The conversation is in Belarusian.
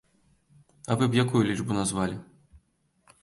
А вы б якую лічбу назвалі?